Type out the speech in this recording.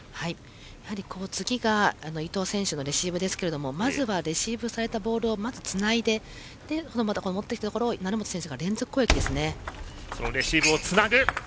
やはり次が伊藤選手のレシーブですけどもまずはレシーブされたボールをまず、つないで持ってきたところを成本選手が連続攻撃ですね。